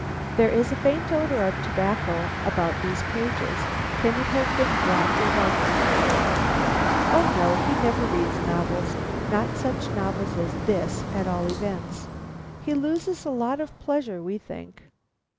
"There is a faint odor of tobacco about these pages. Can it have been brought here by Franklin?" "O no, he never reads novels, not such novels as this, at all events. He loses a lot of pleasure, we think."